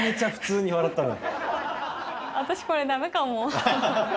私、これだめかも。